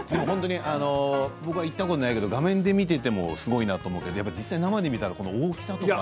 僕は行ったことないけど画面で見たらすごいなと思うけれども実際見たら大きさとか。